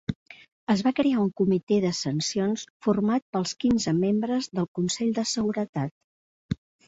Es va crear un Comitè de sancions format pels quinze membres del Consell de Seguretat.